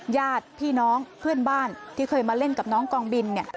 ญาติพี่น้องเพื่อนบ้านที่เคยมาเล่นกับน้องกองบิน